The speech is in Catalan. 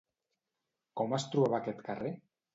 Com es trobava aquest carrer?